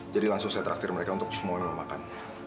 jadi langsung saya traktir mereka untuk semua yang mau makan